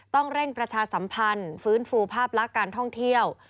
เร่งประชาสัมพันธ์ฟื้นฟูภาพลักษณ์การท่องเที่ยว